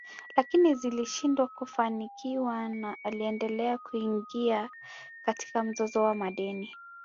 Lakini zilishindwa kufanikiwa na aliendelea kuingia katika mzozo wa madeni